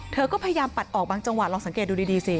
เธอก็พยายามปัดออกบางจังหวะลองสังเกตดูดีสิ